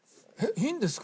いいんですか？